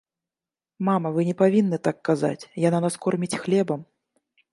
Мама, вы не павінны так казаць, яна нас корміць хлебам.